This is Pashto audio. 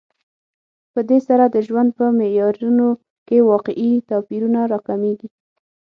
په دې سره د ژوند په معیارونو کې واقعي توپیرونه راکمېږي